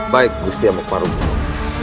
baik gusti amokmarung